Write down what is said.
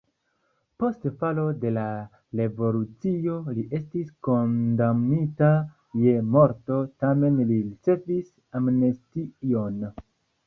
Post falo de la revolucio li estis kondamnita je morto, tamen li ricevis amnestion.